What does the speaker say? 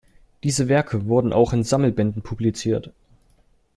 Diese Werke wurden auch in Sammelbänden publiziert.